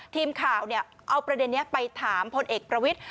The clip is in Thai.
ทีมข่าวเอาประเด็นนี้ไปถามพลเอกประวิทธิ